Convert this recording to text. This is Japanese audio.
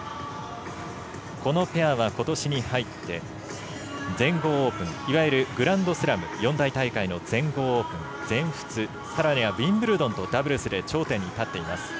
このペアはことしに入って全豪オープンいわゆるグランドスラム四大大会の全豪全仏、さらにはウィンブルドンとダブルスで頂点に立っています。